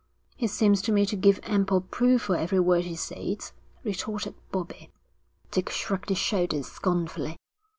'He seems to me to give ample proof for every word he says,' retorted Bobbie. Dick shrugged his shoulders scornfully.